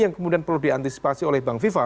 yang kemudian perlu diantisipasi oleh bang viva